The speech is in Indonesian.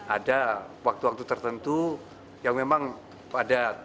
ada waktu waktu tertentu yang memang padat